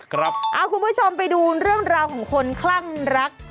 กครับเอ้าคุณผู้ชมไปดูเรื่องราวของคนคลั่งรัก